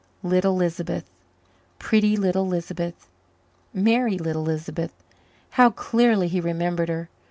Little Lisbeth pretty little Lisbeth merry little Lisbeth! How clearly he remembered her!